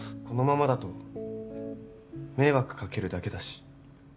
このままだと迷惑かけるだけだし。